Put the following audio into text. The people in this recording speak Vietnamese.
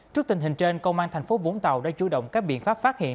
trước tình hình trên công an tp vũng tàu đã chủ động các biện pháp phát hiện